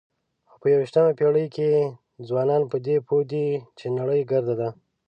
خو په یوویشتمه پېړۍ کې ځوانان په دې پوه دي چې نړۍ ګرده ده.